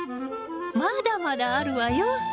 まだまだあるわよ！